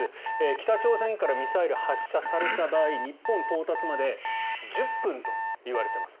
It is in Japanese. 北朝鮮からミサイル発射された場合日本到達まで１０分といわれています。